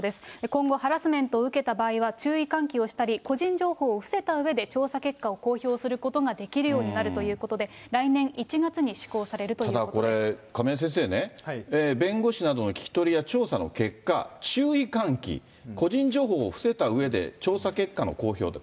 今後、ハラスメントを受けた場合は、注意喚起をしたり、個人情報を伏せたうえで、調査結果を公表することができるようになるということで、来年１ただこれ、亀井先生ね、弁護士などの聞き取りや調査の結果、注意喚起、個人情報を伏せたうえで、調査結果の公表と。